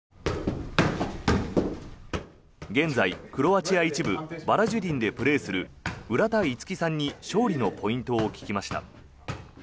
現在、クロアチア１部バラジュディンでプレーする浦田樹さんに勝利のポイントを聞きました。